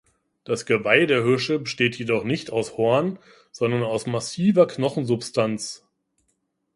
Das Geweih der Hirsche besteht jedoch nicht aus Horn, sondern aus massiver Knochensubstanz.